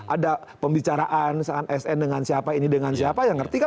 ada pembicaraan sni dengan siapa ini dengan siapa